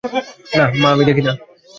মা আমি দেখি না!